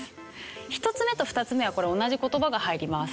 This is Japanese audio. １つ目と２つ目はこれ同じ言葉が入ります。